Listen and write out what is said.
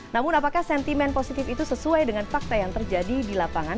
namun apakah sentimen positif itu sesuai dengan fakta yang terjadi di lapangan